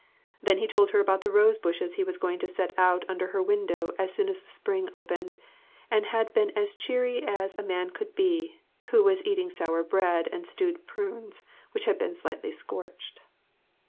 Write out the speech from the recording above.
Then he had told her about the rose bushes he was going to set out under her window as soon as the spring opened, and had been as cheery as a man could well be who was eating sour bread and stewed prunes which had been slightly scorched.